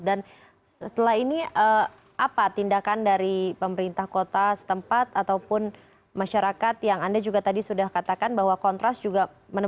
dan setelah ini apa tindakan dari pemerintah kota setempat ataupun masyarakat yang anda juga tadi sudah katakan bahwa kontras juga menemukan jalan buntu